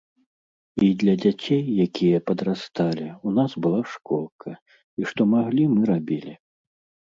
І для дзяцей, якія падрасталі, у нас была школка, і што маглі, мы рабілі.